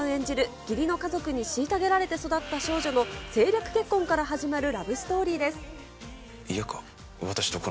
義理の家族に虐げられて育った少女の政略結婚から始まるラブストーリーで嫌か？